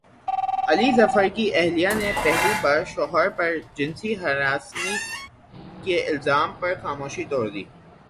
علی ظفر کی اہلیہ نے پہلی بار شوہر پرجنسی ہراسانی کے الزام پر خاموشی توڑ دی